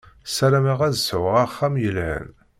Sarameɣ ad sɛuɣ axxam yelhan.